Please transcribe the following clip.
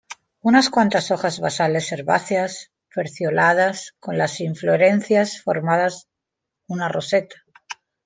Unas cuantas hojas basales herbáceas, pecioladas, con las inflorescencias formando una roseta.